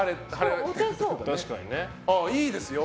いいですよ。